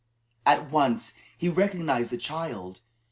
At once he recognized the child.